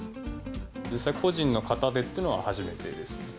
実際、個人の方でっていうのは初めてですね。